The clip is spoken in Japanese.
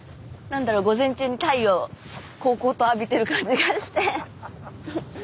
午前中に太陽こうこうと浴びてる感じがして。